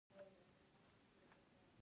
د خوږو او خوندورو میوو کور.